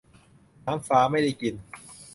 'น้ำฟ้าไม่ได้กิน